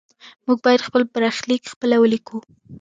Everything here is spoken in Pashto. موږ باید خپل برخلیک خپله ولیکو.